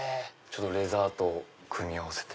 レザーと組み合わせて。